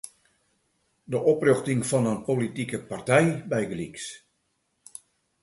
De oprjochting fan in politike partij bygelyks.